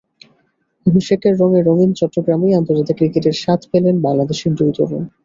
অভিষেকের রঙে রঙিন চট্টগ্রামেই আন্তর্জাতিক ক্রিকেটের স্বাদ পেলেন বাংলাদেশের দুই তরুণ।